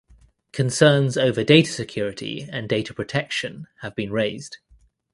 Concerns over data security and data protection have been raised.